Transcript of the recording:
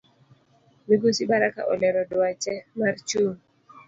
Migosi Baraka olero duache mar chung